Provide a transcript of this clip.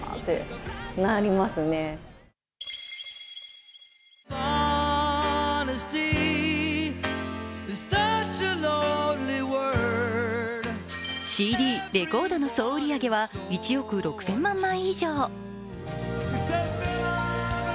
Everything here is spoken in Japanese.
癒やされているそうでＣＤ・レコードの総売り上げは１億６０００万枚以上。